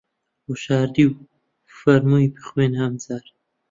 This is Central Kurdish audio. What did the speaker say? وشاردی و فەرمووی: بخوێنە ئەمجار